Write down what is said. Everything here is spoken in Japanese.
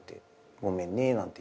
「ごめんね」なんて言って。